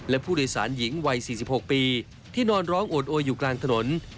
และผู้โดยสารหญิงวัย๔๖ปีที่นอนร้องโอดโอยอยู่กลางถนน